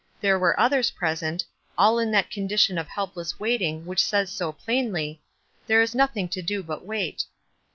There were r/.Lers present, all in that condition of helpless wait ing which says so plainly, "There is nothing to do but wait."